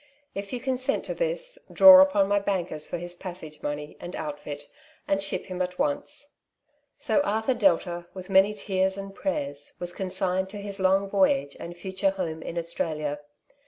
If you consent to this, draw upon my bankers for his passage money and outfit, and ship him at once.'' So Arthur Delta, with many tears and prayers, was consigned to his long voyage and future home in Australia.